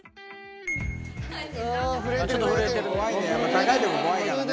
高いとこ怖いからね。